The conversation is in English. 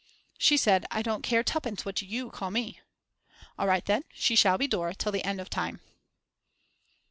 She said: I don't care tuppence what you call me. All right, then, she shall be Dora till the end of time.